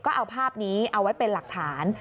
ก็เอาภาพนี้เอาไว้เป็นหลักฐาน